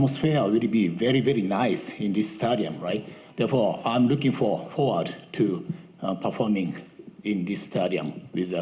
saya ingin mengatakan bahwa ketika saya melakukan pertandingan terakhir di indonesia